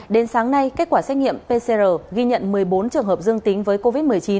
đến sáng nay kết quả xét nghiệm pcr ghi nhận một mươi bốn trường hợp dương tính với covid một mươi chín